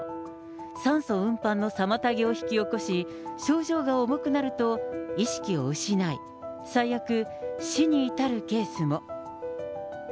酸素運搬の妨げを引き起こし、症状が重くなると意識を失い、最悪、死に至るケースも。